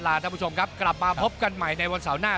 ท่านผู้ชมครับกลับมาพบกันใหม่ในวันเสาร์หน้า